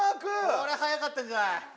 これ早かったんじゃない？